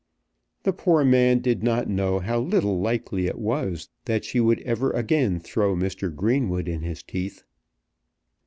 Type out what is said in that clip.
The poor man did not know how little likely it was that she would ever again throw Mr. Greenwood in his teeth.